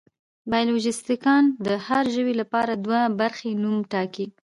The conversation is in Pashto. بایولوژېسټان د هر ژوي لپاره دوه برخې نوم ټاکي.